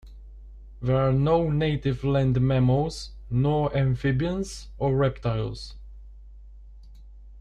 There are no native land mammals, nor amphibians or reptiles.